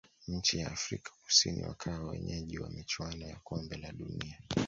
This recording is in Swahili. nchi ya afrika kusini wakawa wenyeji wa michuano ya kombe la dunia